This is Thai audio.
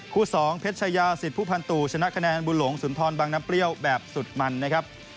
สองเพชรชายาสิทธิผู้พันตู่ชนะคะแนนบุญหลงสุนทรบังน้ำเปรี้ยวแบบสุดมันนะครับ